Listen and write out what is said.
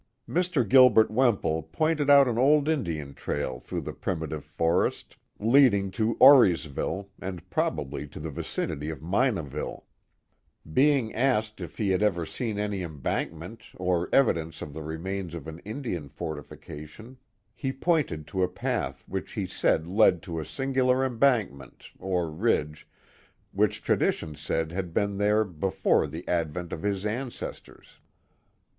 Mr, Gilbert Wemple pointed out an old Indian trail through the primitive forest, leading to Auriesvillc, and probably to the vicinity of Minaville, Being asked if he had ever seen any embankment or evi dence of the remains of an Indian fortificalion, he pointed to a path which he said led to a singular embankment, or ridge, which tradition said had been there before the advent of his ancestors.